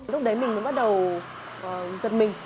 lúc đấy mình mới bắt đầu giật mình